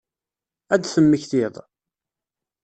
Ad temmektiḍ?